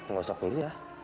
gak usah kuliah